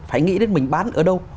phải nghĩ đến mình bán ở đâu